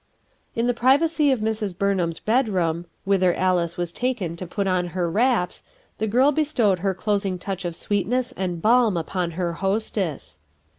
In the privacy of Mrs. Burnham's bedroom, whither Alice was taken to put on her wraps, the girl bestowed her closing touch of sweetness and balm upon her hostess.